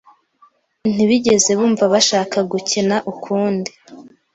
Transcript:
Ntibigeze bumva bashaka gukina ukundi.